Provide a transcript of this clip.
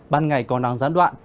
ban ngày có năng gián đoạn